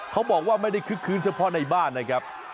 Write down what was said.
เขาบอกว่าไม่ได้คึกคืนเฉพาะในบ้านนะครับ